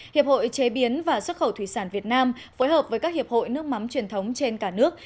hiệp hội chế biến và xuất khẩu thủy sản việt nam phối hợp với các hiệp hội nước mắm truyền thống trên cả nước